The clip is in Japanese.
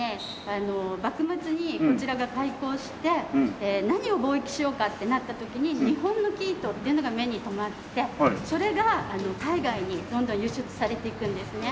あの幕末にこちらが開港して何を貿易しようかってなった時に日本の生糸っていうのが目に留まってそれが海外にどんどん輸出されていくんですね。